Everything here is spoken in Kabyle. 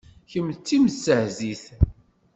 Kemm d timestehzit.